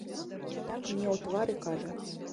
Так мне ў твар і кажа.